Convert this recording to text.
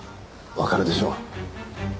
わかるでしょう？